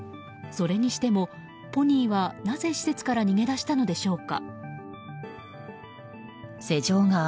それにしても、ポニーはなぜ施設から逃げ出したのでしょうか。